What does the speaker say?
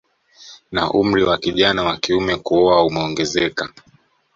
Na umri wa kijana wa kiume kuoa umeongezeka